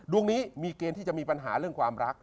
ดวงนี้มีเกณฑ์ที่จะมีปัญหาเรื่องความรัก